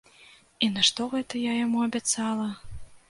І нашто гэта я яму абяцала?